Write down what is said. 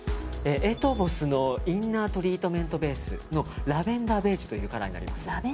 エトヴォスのインナートリートメントベースのラベンダーベージュというカラーになります。